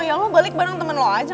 ya lo balik bareng temen lo aja